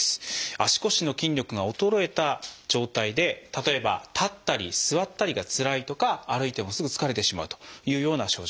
足腰の筋力が衰えた状態で例えば立ったり座ったりがつらいとか歩いてもすぐ疲れてしまうというような症状。